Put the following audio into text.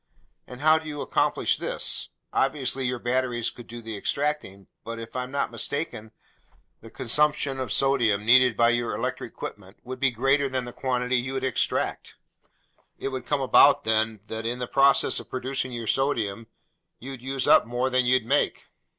And how do you accomplish this? Obviously your batteries could do the extracting; but if I'm not mistaken, the consumption of sodium needed by your electric equipment would be greater than the quantity you'd extract. It would come about, then, that in the process of producing your sodium, you'd use up more than you'd make!"